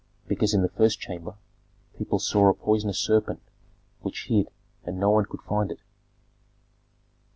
"Because in the first chamber people saw a poisonous serpent, which hid, and no one could find it."